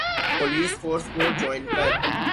police force کو join کر